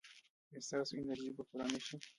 ایا ستاسو انرژي به پوره نه شي؟